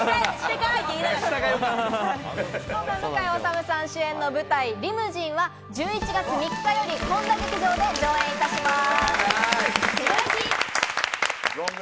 向井理さん主演の舞台『リムジン』は１１月３日より本多劇場で上演いたします。